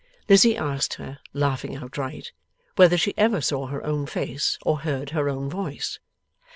Lizzie asked her, laughing outright, whether she ever saw her own face or heard her own voice?